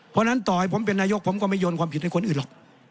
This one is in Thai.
เพราะฉะนั้นต่อให้ผมเป็นนายกผมก็ไม่โยนความผิดให้คนอื่นหรอก